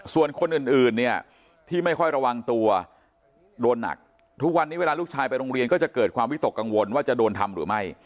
ส่วนคนอื่นเนี่ยที่ไม่ค่อยระวังตัวโดนหนักทุกวันนี้เวลาลูกชายไปโรงเรียนก็จะเกิดความวิตกกังวลว่าจะโดนทำหรือไม่